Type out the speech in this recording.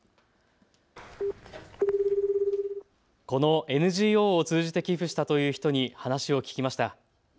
このＮＧＯを通じて寄付したという人に話を聞きました。